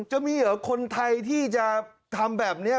จะมีเหรอคนไทยที่จะทำแบบนี้